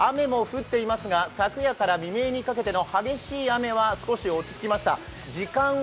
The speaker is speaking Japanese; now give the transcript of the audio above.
雨も降っていますが、昨夜から未明にかけての激しい雨は少し落ち着きました。